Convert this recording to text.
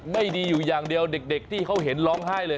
ไม่ดีอยู่อย่างเดียวเด็กที่เขาเห็นร้องไห้เลย